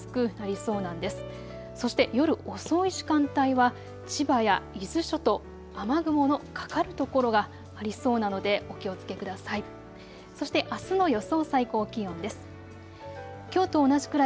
そして夜遅い時間帯は千葉や伊豆諸島、雨雲のかかる所がありそうなのでお気をつけください。